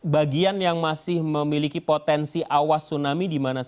bagian yang masih memiliki potensi awas tsunami di mana